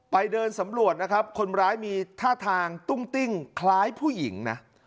เดินสำรวจนะครับคนร้ายมีท่าทางตุ้งติ้งคล้ายผู้หญิงนะ